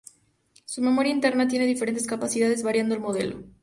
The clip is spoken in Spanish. Su memoria interna tiene diferentes capacidades variando el modelo.